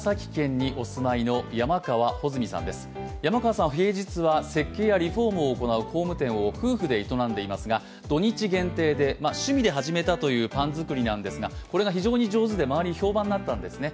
山川さん平日は設計や、山川さんは、石油やリフォームを行う工務店を夫婦で営んでいますが、土日限定で趣味で始めたというパン作りなんですがこれが非常に上手で周りに評判になったんですね。